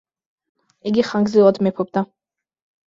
იგი ხანგრძლივად მეფობდა.